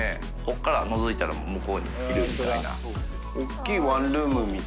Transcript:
海海のぞいたらもう向こうにいるみたいな。